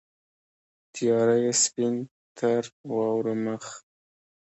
تیاره یې سپین تر واورو مخ